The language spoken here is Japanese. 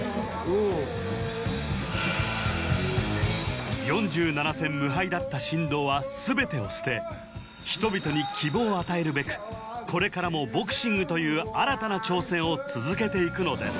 うんだった神童は全てを捨て人々に希望を与えるべくこれからもボクシングという新たな挑戦を続けていくのです